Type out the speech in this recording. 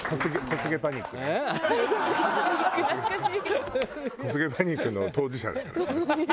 小菅パニックの当事者だから。